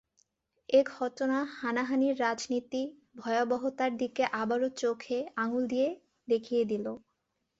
এ ঘটনা হানাহানির রাজনীতির ভয়াবহতার দিকে আবারও চোখে আঙুল দিয়ে দেখিয়ে দিল।